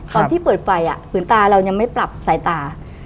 ตอนที่เปิดไฟผืนตาเรายังไม่ปรับสายตา